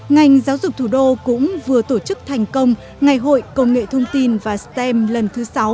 ngành giáo dục thủ đô cũng vừa tổ chức thành công ngày hội công nghệ thông tin và stem lần thứ sáu